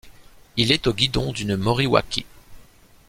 Il est au guidon d'une Moriwaki.